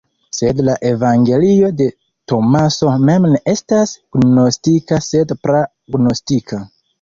Sed la evangelio de Tomaso mem ne estas gnostika sed pra-gnostika.